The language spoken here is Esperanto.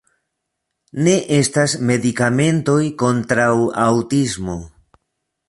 Ne estas medikamentoj kontraŭ aŭtismo.